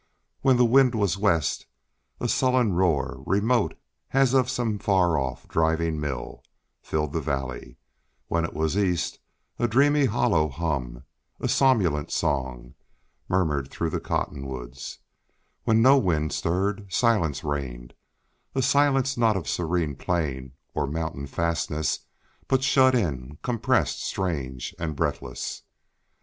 When the wind was west a sullen roar, remote as of some far off driving mill, filled the valley; when it was east a dreamy hollow hum, a somnolent song, murmured through the cottonwoods; when no wind stirred, silence reigned, a silence not of serene plain or mountain fastness, but shut in, compressed, strange, and breathless.